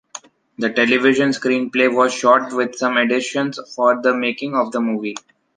The television screenplay was shot with some additions for the making of the movie.